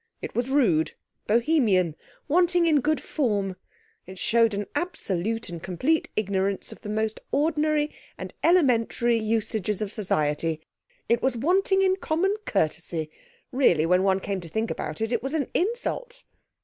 It was rude, Bohemian, wanting in good form; it showed an absolute and complete ignorance of the most ordinary and elementary usages of society. It was wanting in common courtesy; really, when one came to think about it, it was an insult.